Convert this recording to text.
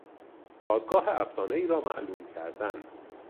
زادگاه افسانهای را معلوم کردن